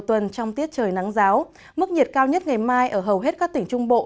trong giáo mức nhiệt cao nhất ngày mai ở hầu hết các tỉnh trung bộ